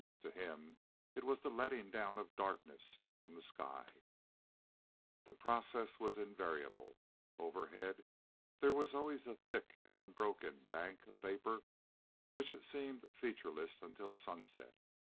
To him it was the letting down of darkness from the sky. The process was invariable. Overhead there was always a thick and unbroken bank of vapor which seemed featureless until sunset.